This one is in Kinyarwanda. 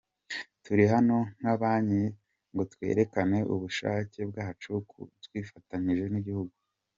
Turi hano nka banki ngo twerekane ubushake bwacu ko twifatanyije n’igihugu.